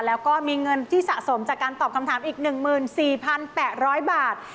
แล้วก็มีเงินที่สะสมจากการตอบคำถามอีก๑๔๘๐๐บาท